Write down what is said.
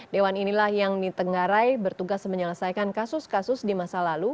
dewan inilah yang ditenggarai bertugas menyelesaikan kasus kasus di masa lalu